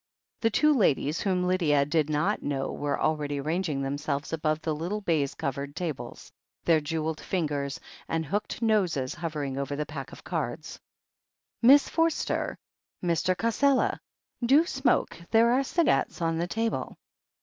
The two ladies whom Lydia did not know were already arranging themselves above the little baize covered tables, their jewelled fingers and hooked noses hovering over the packs of cards. "Miss Forster — Mr. Cassela? Do smoke — ^there are cigarettes on the table.